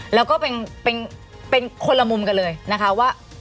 แล้วก็เป็นคนละมุมกันเลยนะคะว่า